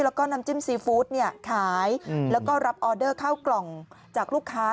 แล้วก็น้ำจิ้มซีฟู้ดขายแล้วก็รับออเดอร์ข้าวกล่องจากลูกค้า